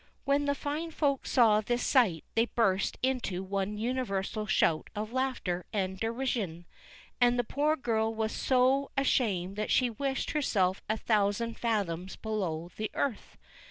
When the fine folks saw this sight they burst into one universal shout of laughter and derision, and the poor girl was so ashamed that she wished herself a thousand fathoms below the earth.